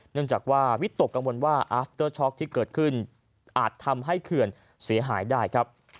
เนื่องจากว่าวิตกกังวลว่าอาฟเตอร์ช็อกที่เกิดขึ้นอาจทำให้เขื่อนเสียหายได้ครับ